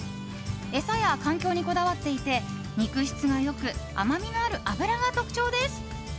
餌や環境にこだわっていて肉質が良く甘みのある脂が特徴です。